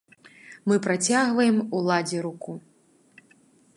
Мы працягваем уладзе руку.